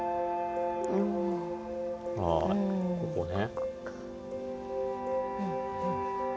あここね。